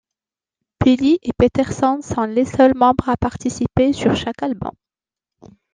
Billy et Peterson sont les seuls membres à participer sur chaque album.